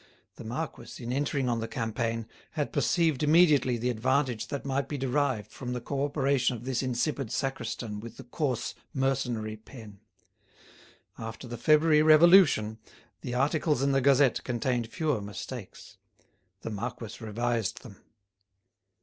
The marquis, in entering on the campaign, had perceived immediately the advantage that might be derived from the co operation of this insipid sacristan with the coarse, mercenary pen. After the February Revolution the articles in the "Gazette" contained fewer mistakes; the marquis revised them.